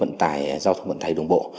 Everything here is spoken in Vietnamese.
vận tải giao thông vận tải đồng bộ